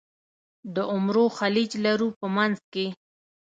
د عمرو خلیج لرو په منځ کې.